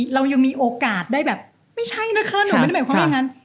เรายังมีโอกาสได้แบบไม่ใช่นะคะหนูไม่ได้หมายความว่าอย่างนั้น